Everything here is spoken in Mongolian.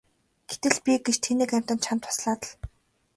Гэтэл би гэж тэнэг амьтан чамд туслаад л!